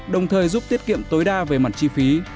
đồng thời giúp tiết kiệm tối đa về mặt chi phí